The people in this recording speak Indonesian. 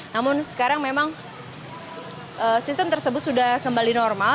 namun sekarang memang sistem tersebut sudah kembali normal